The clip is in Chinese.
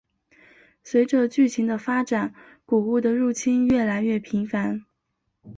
随着剧情的发展古物的入侵越来越频繁。